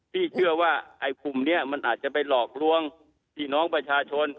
พี่เชื่อว่าควมเนี่ยอาจจะไปหลอกรวงที่น้องประชาชน